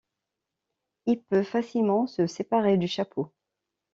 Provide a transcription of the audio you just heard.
Il peut facilement se séparer du chapeau.